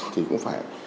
thì cũng phải